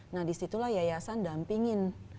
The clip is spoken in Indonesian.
nah disitulah yayasan dampingin